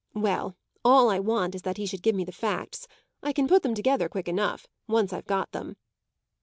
Well, all I want is that he should give me the facts; I can put them together quick enough, once I've got them."